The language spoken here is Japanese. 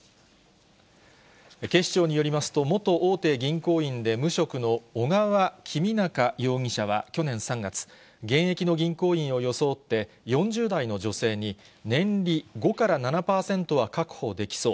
警視庁によりますと、元大手銀行員で無職の小川公央容疑者は去年３月、現役の銀行員を装って、４０代の女性に年利５から７％は確保できそう。